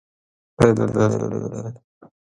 He is known for his prominent role in Vanniyar politics.